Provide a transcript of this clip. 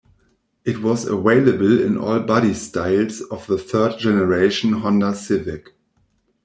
It was available in all bodystyles of the third generation Honda Civic.